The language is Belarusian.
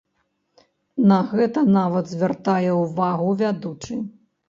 На гэта нават звяртае ўвагу вядучы.